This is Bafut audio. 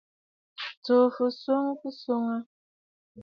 Tsùù fɨswo kɨswoŋǝ.